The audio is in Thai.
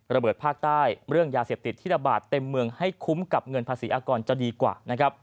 ภาคใต้เรื่องยาเสพติดที่ระบาดเต็มเมืองให้คุ้มกับเงินภาษีอากรจะดีกว่า